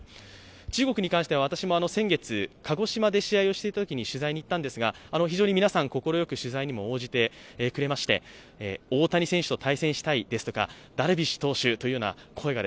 中国に関しては私も先月、鹿児島で試合をしていたときに取材に行ったんですが、非常に皆さん快く取材に応じてくれまして大谷選手と対戦したいですとか、ダルビッシュ投手という声が